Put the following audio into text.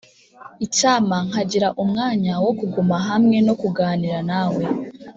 icyampa nkagira umwanya wo kuguma hamwe no kuganira nawe.